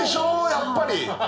やっぱり！